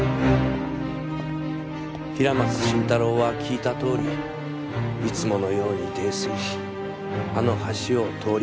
平松伸太郎は聞いたとおりいつものように泥酔しあの橋を通りかかりました。